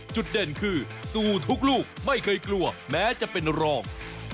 จุดเด่นคือสู้ทุกลูกไม่เคยกลัวแม้จะเป็นรอง